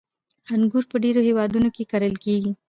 • انګور په ډېرو هېوادونو کې کرل کېږي.